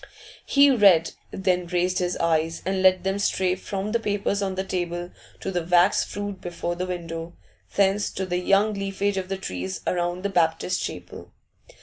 He read, then raised his eyes and let them stray from the papers on the table to the wax fruit before the window, thence to the young leafage of the trees around the Baptist Chapel.